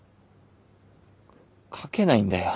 書けないんだよ。